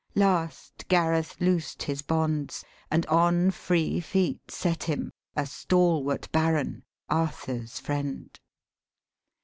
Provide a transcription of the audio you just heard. Last, Gareth loosed his bonds and on free feet Set him, a stalwart Baron, Arthur's friend.